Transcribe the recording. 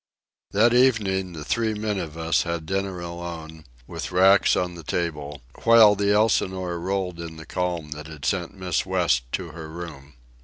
That evening the three men of us had dinner alone, with racks on the table, while the Elsinore rolled in the calm that had sent Miss West to her room.